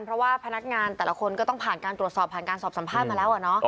เพราะว่าพนักงานแต่ละคนก็ต้องผ่านการตรวจสอบผ่านการสอบสัมภาษณ์มาแล้ว